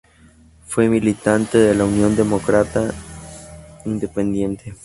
Fue militante de la Unión Demócrata Independiente.